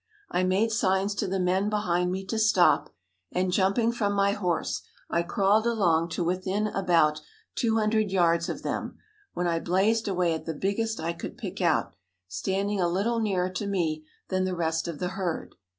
I made signs to the men behind me to stop, and, jumping from my horse, I crawled along to within about 200 yards of them, when I blazed away at the biggest I could pick out, standing a little nearer to me than the rest of the herd.